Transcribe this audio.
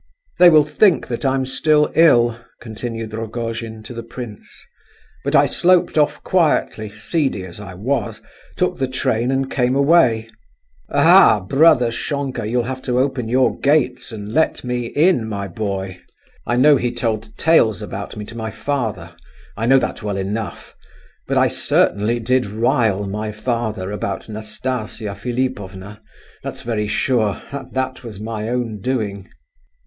"They will think that I'm still ill," continued Rogojin to the prince, "but I sloped off quietly, seedy as I was, took the train and came away. Aha, brother Senka, you'll have to open your gates and let me in, my boy! I know he told tales about me to my father—I know that well enough but I certainly did rile my father about Nastasia Philipovna that's very sure, and that was my own doing."